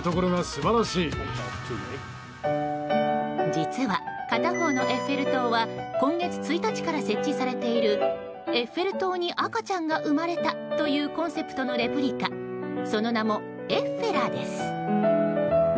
実は片方のエッフェル塔は今月１日から設置されているエッフェル塔に赤ちゃんが生まれたというコンセプトのレプリカその名もエッフェラです。